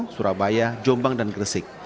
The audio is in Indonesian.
surabaya jombang dan gresik